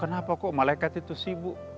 kenapa malaikat itu sibuk